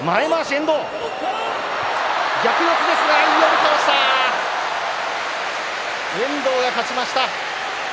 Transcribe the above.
遠藤が勝ちました。